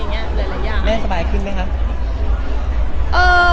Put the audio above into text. แม่สบายขึ้นไหม